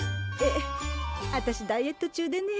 えっあたしダイエット中でね